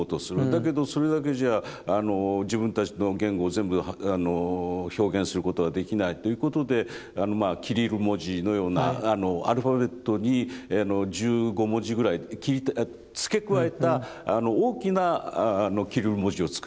だけどそれだけじゃ自分たちの言語を全部表現することはできないということでキリル文字のようなアルファベットに１５文字ぐらい付け加えた大きなキリル文字をつくりますよね。